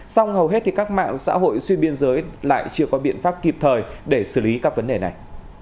song hầu hết các mạng xã hội xuyên biên giới lại chưa có biện pháp kịp thời để xử lý các vấn đề này